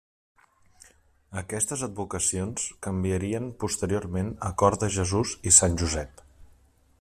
Aquestes advocacions canviarien posteriorment a Cor de Jesús i Sant Josep.